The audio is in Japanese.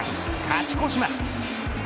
勝ち越します。